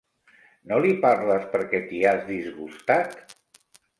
No li parles perquè t'hi has disgustat?